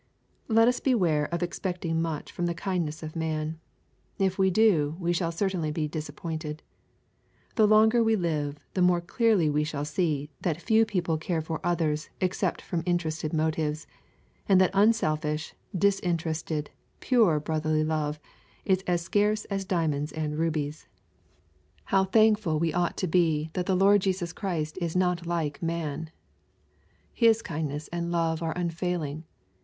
Let us beware of expecting much from the kindness of man. If we do, we shall certainly be disappointed. The longer we live the more clearly we shall see that few people care for others except from interested motives, and that unselfish, disinterested, pure brotherly love, is as scarce as diamonds and rubies. How thankful we LUKE, CHAP. X. 377 ought to be that the Lord Jesus Christ is not like man !.V His kindness and love are unfailing.